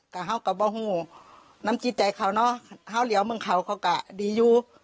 ก็เขาก็บอกโหน้ำจิตใจเขาเนอะข้าวเหลียวเมืองเขาเขาก็ดีอยู่